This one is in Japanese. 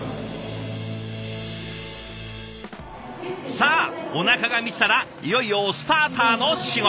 さあおなかが満ちたらいよいよスターターの仕事。